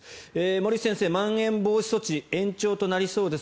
森内先生、まん延防止措置延長となりそうです。